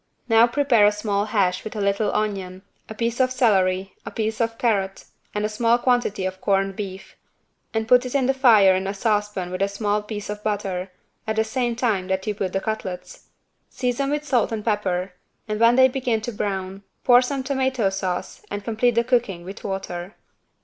Now prepare a small hash with a little onion, a piece of celery a piece of carrot and a small quantity of corned beef and put it in the fire in a saucepan with a small piece of butter, at the same time that you put the cutlets. Season with salt and pepper and when they begin to brown pour some tomato sauce and complete the cooking with water.